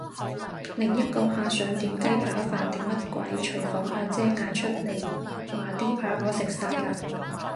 另一個客想點雞扒飯定乜鬼，廚房阿姐嗌出嚟話啲扒我食晒嘞！